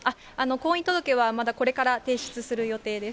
婚姻届はまだこれから提出する予定です。